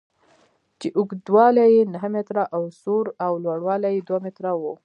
چې اوږدوالی یې نهه متره او سور او لوړوالی یې دوه متره و.